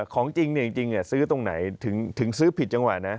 ของจริงซื้อตรงไหนถึงซื้อผิดจังหวะนะ